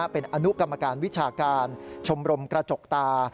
เป็นอนุกรรมการวิชาการชมรมกระจกตา